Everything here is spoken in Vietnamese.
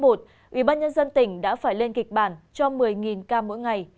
ubnd tỉnh đã phải lên kịch bản cho một mươi ca mỗi ngày